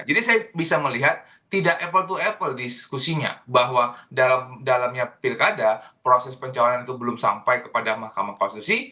jadi saya bisa melihat tidak apple to apple diskusinya bahwa dalamnya pilkada proses pencalonan itu belum sampai kepada mahkamah konstitusi